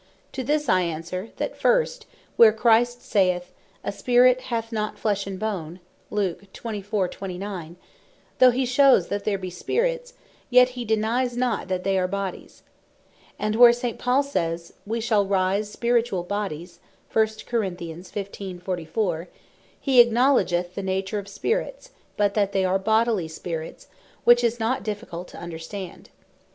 To this I answer, that first, where Christ saith, "A Spirit hath not flesh and bone," though hee shew that there be Spirits, yet he denies not that they are Bodies: And where St. Paul sais, "We shall rise Spirituall Bodies," he acknowledgeth the nature of Spirits, but that they are Bodily Spirits; which is not difficult to understand.